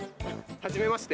はじめまして。